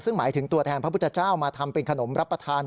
ซึ่งหมายถึงตัวแทนพระพุทธเจ้ามาทำเป็นขนมรับประทาน